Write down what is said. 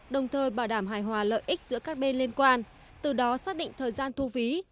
đồng thời bảo đảm hài hòa lợi ích giữa các bên liên quan từ đó xác định thời gian thu phí